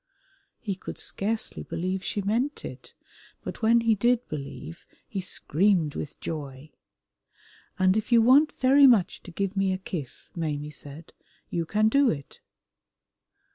He could scarcely believe she meant it, but when he did believe he screamed with joy. "And if you want very much to give me a kiss," Maimie said, "you can do it."